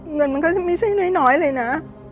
เงินมันก็ไม่ใช่น้อยเลยนะ